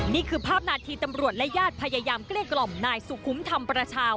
นี่คือภาพนาทีตำรวจและญาติพยายามเกลี้ยกล่อมนายสุขุมธรรมประชา